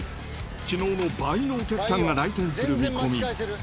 きのうの倍のお客さんが来店する見込み。